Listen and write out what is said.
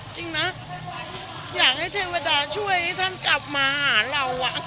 จริงนะอยากให้เทวดาช่วยให้ท่านกลับมาหาเรา